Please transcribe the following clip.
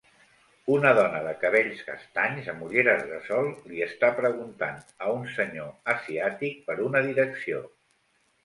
Una dona de cabells castanys, amb ulleres de sol, li està preguntant a un senyor asiàtic per una direcció.